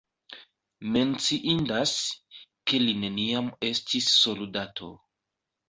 Menciindas, ke li neniam estis soldato.